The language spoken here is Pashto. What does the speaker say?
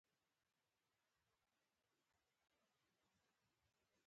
د ماشوم غوږونه باید پاک وساتل شي۔